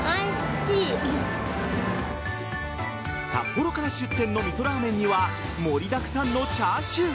札幌から出店の味噌ラーメンには盛りだくさんのチャーシュー。